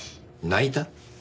泣いた？